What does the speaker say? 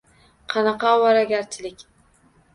Qanaqa ovoragarchilik